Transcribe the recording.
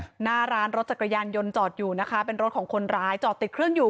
หน้าร้านรถจักรยานยนต์จอดอยู่นะคะเป็นรถของคนร้ายจอดติดเครื่องอยู่